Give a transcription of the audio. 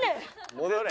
戻れ。